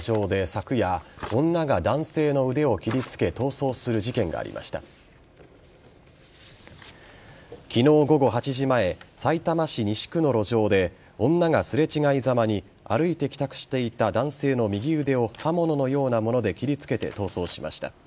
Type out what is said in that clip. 昨日午後８時前さいたま市西区の路上で女が、すれ違いざまに歩いて帰宅していた男性の右腕を刃物のようなもので切りつけて逃走しました。